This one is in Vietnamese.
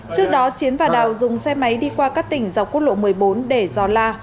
trước đó chiến và đào dùng xe máy đi qua các tỉnh dọc quốc lộ một mươi bốn để giò la